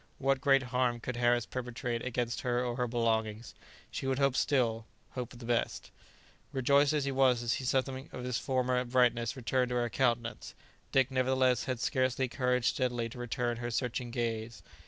what great harm could Harris perpetrate against her or her belongings? She would hope still, hope for the best. Rejoiced as he was to see something of its former brightness return to her countenance, Dick nevertheless had scarcely courage steadily to return her searching gaze.